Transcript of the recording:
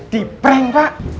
di pereng pak